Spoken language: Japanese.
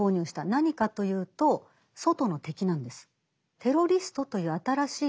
何かというと外の敵なんです。